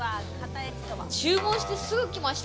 注文してすぐ来ました。